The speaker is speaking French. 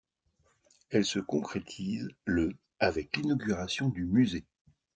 Elle se concrétise le avec l'inauguration du musée.